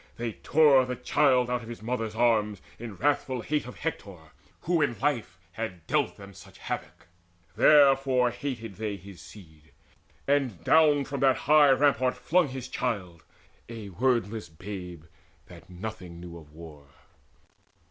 They tore the child Out of his mother's arms, in wrathful hate Of Hector, who in life had dealt to them Such havoc; therefore hated they his seed, And down from that high rampart flung his child A wordless babe that nothing knew of war!